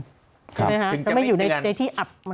ใช่ไหมคะแล้วไม่อยู่ในที่อับ